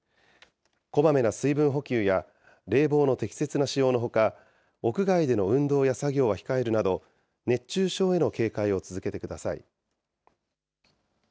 こまめな水分補給や冷房の適切な使用のほか、屋外での運動や作業は控えるなど、熱中症への警戒を続けてください。